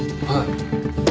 はい。